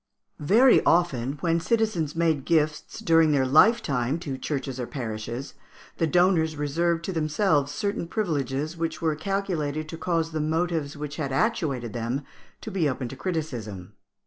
] Very often when citizens made gifts during their lifetime to churches or parishes, the donors reserved to themselves certain privileges which were calculated to cause the motives which had actuated them to be open to criticism.